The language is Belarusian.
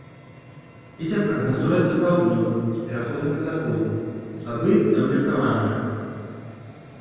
Вецер прагназуецца паўднёвы з пераходам на заходні, слабы да ўмеркаванага.